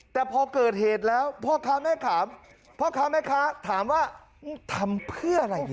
แต่พอเกิดเหตุแล้วพ่อค้าแม่ขามพ่อค้าแม่ค้าถามว่าทำเพื่ออะไรดี